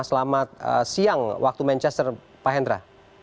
selamat siang waktu manchester pak hendra